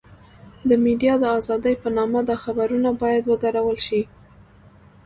د ميډيا د ازادۍ په نامه دا خبرونه بايد ودرول شي.